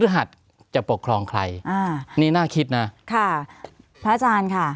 หัสจะปกครองใครอ่านี่น่าคิดนะค่ะพระอาจารย์ค่ะ